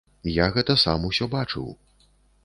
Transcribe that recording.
Я гэта сам усё бачыў.